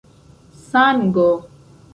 sango